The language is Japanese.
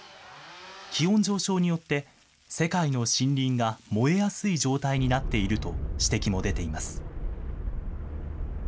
気温上昇によって、世界の森林が燃えやすい状態になっていると指摘も出ています。